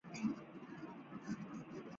站台层采用路中侧式布局。